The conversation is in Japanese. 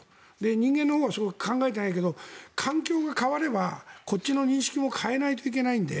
人間のほうは考えていないけど環境が変わればこっちの認識も変えないといけないので。